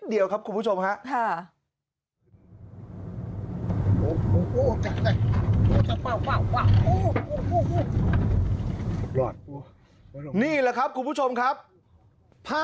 เดียวครับคุณผู้ชมฮะ